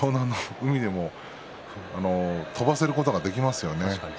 海でも飛ばせることができますよね。